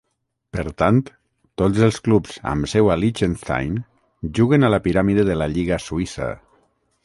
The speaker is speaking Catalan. Per tant, tots els clubs amb seu a Liechtenstein juguen a la piràmide de la lliga suïssa.